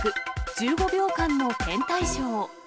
１５秒間の天体ショー。